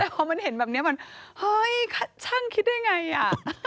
แต่พอมันเห็นแบบนี้มันเฮ้ยช่างคิดได้ไงอ่ะ